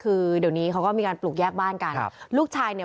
คือเดี๋ยวนี้เขาก็มีการปลูกแยกบ้านกันครับลูกชายเนี่ย